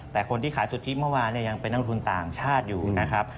แต่คนที่ขายสุทธิเมื่อวานเนี่ยยังเป็นนักทุนต่างชาติอยู่นะครับ